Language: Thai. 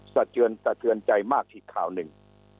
สะเจือนใจมากที่ข่าวหนึ่ง